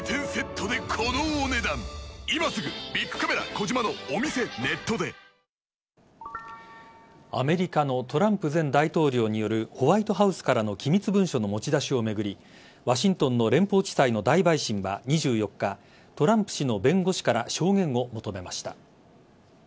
今日の朝の公式練習でも４回転アクセルを何度も成功させているそうなのでアメリカのトランプ前大統領によるホワイトハウスからの機密文書の持ち出しを巡りワシントンの連邦地裁の大陪審は２４日トランプ氏の弁護士から証言を求めました。